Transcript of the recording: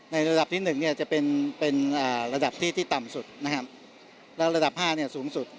ในระดับที่๑จะเป็นระดับที่ต่ำสุดและระดับ๕สูงสุด